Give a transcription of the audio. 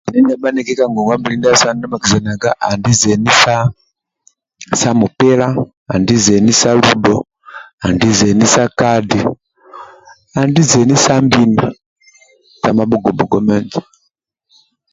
Zeni ndia bhaniki ndia bhaniki ndia bhakizenaga ka ngongwa mbili ndiasu ndia bhakizenaga andi zeni sa mupila zeni sa ludo zeni sa kadi andi zeni sa mbina tamabhugo-bhugo menjo